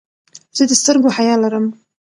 زه د سترګو حیا لرم.